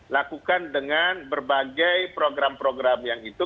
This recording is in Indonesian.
lakukan dengan berbagai program program yang itu